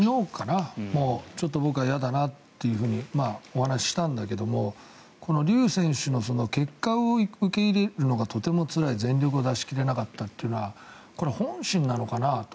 僕はちょっと嫌だなというお話ししたんだけれどもこのリュウ選手の結果を受け入れるのがとてもつらい全力を出し切れなかったというのはこれは本心なのかなと。